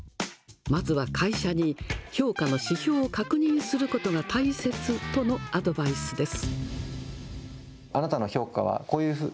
まずは会社に評価の指標を確認することが大切とのアドバイスです。